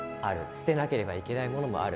捨てなければいけないものもある。